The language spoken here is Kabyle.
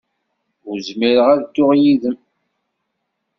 Ur zmireɣ ad dduɣ yid-m.